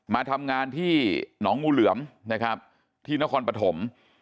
มาทำงานที่หนองงูเหลือมนะครับที่นครปฐม